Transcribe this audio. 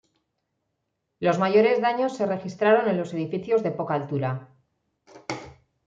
Los mayores daños se registraron en los edificios de poca altura.